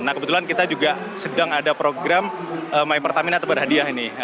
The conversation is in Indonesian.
nah kebetulan kita juga sedang ada program my pertamina atau berhadiah ini